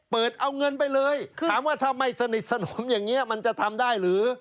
เปิดเอาเงินไปเลยถามว่าถ้าไม่สนิทสนมอย่างนี้มันจะทำได้หรือ